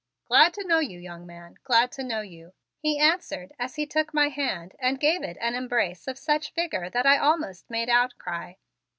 "Glad to know you, young man; glad to know you," he answered as he took my hand and gave it an embrace of such vigor that I almost made outcry.